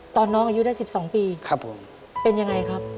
ตอนน้องอายุได้สิบสองปีเป็นอย่างไรครับครับผม